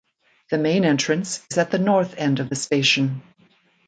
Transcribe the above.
The main entrance is at the north end of the station.